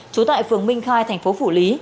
chú tại phường minh khai thành phố phủ lý